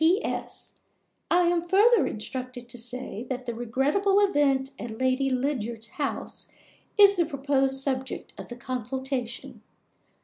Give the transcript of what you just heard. P.S. I am further instructed to say that the regrettable event at Lady Lydiard's house is the proposed subject of the consultation.